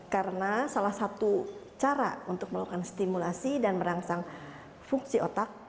karena salah satu cara untuk melakukan stimulasi dan merangsang fungsi otak